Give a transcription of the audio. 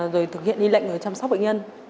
rồi thực hiện đi lệnh chăm sóc bệnh nhân